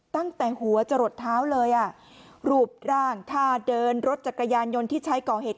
ตั้งแต่หัวจะหลดเท้าเลยอ่ะรูปร่างท่าเดินรถจักรยานยนต์ที่ใช้ก่อเหตุ